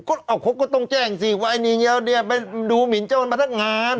โอ้โฮก็ออกครบก็ต้องแจ้งสิว่าไอ้นี่เนี่ยไปดูหมินเจ้ามันมาทักงาน